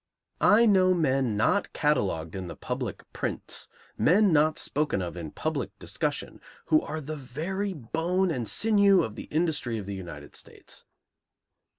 I know men not catalogued in the public prints, men not spoken of in public discussion, who are the very bone and sinew of the industry of the United States.